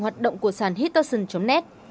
hoạt động của sản hittoxin net